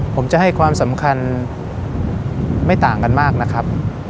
ผมจะให้ความสำคัญไม่ต่างกันมากนะครับ